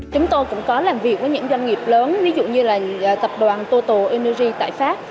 chúng tôi cũng có làm việc với những doanh nghiệp lớn ví dụ như là tập đoàn toto innery tại pháp